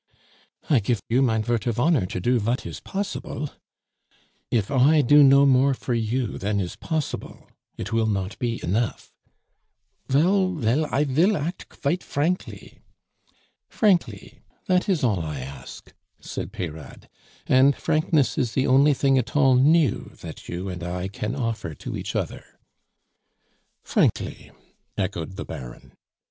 "I gif you mein vort of honor to do vat is possible." "If I do no more for you than is possible, it will not be enough." "Vell, vell, I vill act qvite frankly." "Frankly that is all I ask," said Peyrade, "and frankness is the only thing at all new that you and I can offer to each other." "Frankly," echoed the Baron.